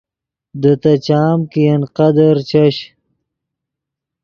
دے تے چام کہ ین قدر چش